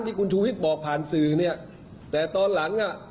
ที่คุณชูวิทย์บอกผ่านสื่อเนี่ยแต่ตอนหลังอ่ะ